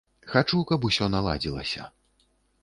Хачу, каб усё наладзілася.